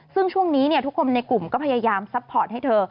ซึ่งช่วงนี้ทุกคนในกลุ่มก็พยายามซัพพอร์ตให้เธอ